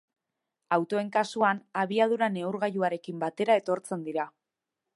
Autoen kasuan, abiadura neurgailuarekin batera etortzen dira.